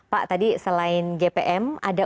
pak tadi selain gpm ada